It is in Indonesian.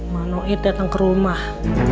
manoid datang ke rumah